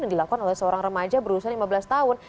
yang dilakukan oleh seorang remaja berusia lima belas tahun